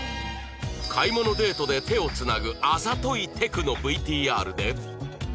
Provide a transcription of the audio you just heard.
買い物デートで手をつなぐあざといテクの ＶＴＲ で